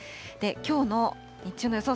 きょうの日中の予想